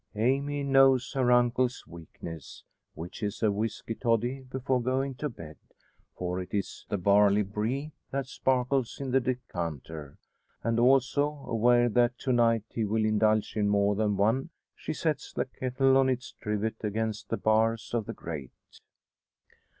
Amy knows her uncle's weakness which is a whisky toddy before going to bed; for it is the "barley bree" that sparkles in the decanter; and also aware that to night he will indulge in more than one, she sets the kettle on its trivet against the bars of the grate.